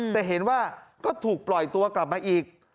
แต่เห็นว่าก็ถูกปล่อยตัวกลับมาอีก